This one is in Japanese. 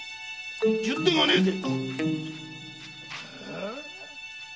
十手がねぇぜ。